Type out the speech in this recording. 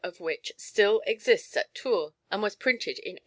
of which still exists at Tours, and was printed in 1854.